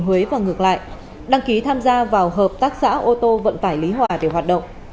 huế và ngược lại đăng ký tham gia vào hợp tác xã ô tô vận tải lý hòa để hoạt động